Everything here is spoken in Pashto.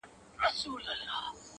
خلک په رخصتیو کې سفر کوي